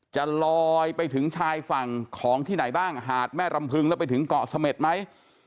จะลอยไปถึงชายฝั่งของที่ไหนบ้างหาดแม่รำพึงแล้วไปถึงเกาะเสม็ดไหม